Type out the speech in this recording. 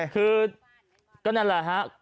คือก็นั่นแหละฮะ